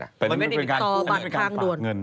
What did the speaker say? ถ้าไม่ได้มีความผู้ต้องผากเงิน